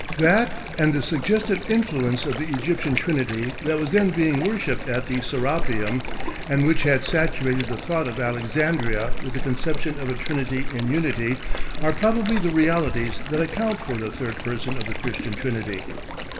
That, and the suggestive influence of the Egyptian Trinity that was then being worshipped at the Serapeum, and which had saturated the thought of Alexandria with the conception of a trinity in unity, are probably the realities that account for the Third Person of the Christian Trinity.